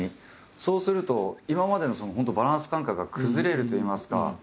そうすると今までのバランス感覚が崩れるといいますか。